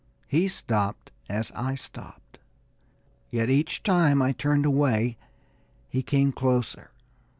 He stopped as I stopped, yet each time I turned away he came quickly closer.